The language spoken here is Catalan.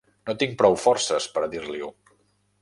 No tinc prou forces per a dir-li-ho.